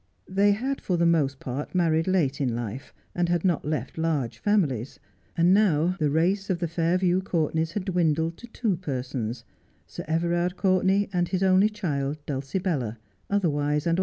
They had for the most part married late in life, and had not left large families. And now the race of the Fairview Courtenays had dwindled to two persons, Sir Everard Courtenay and his only child, Dulcibella, otherwise and alwa\.